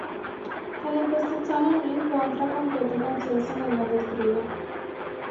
Tale impostazione non incontra completo consenso nella dottrina.